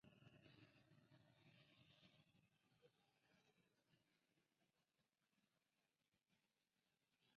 Lo acabo en un pispás